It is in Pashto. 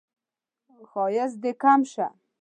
ښایست دې کم شه